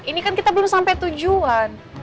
ini kan kita belum sampai tujuan